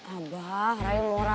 abah orang yang apa